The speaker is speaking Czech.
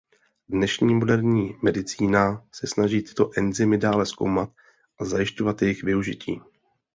Dnešní moderní medicína se snaží tyto enzymy dále zkoumat a zjišťovat jejich využití.